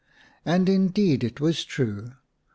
" And indeed it was true.